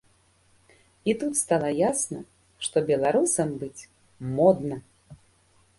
І тут стала ясна, што беларусам быць модна!